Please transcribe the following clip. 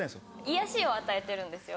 癒やしを与えてるんですよ